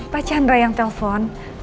pak chandra yang telepon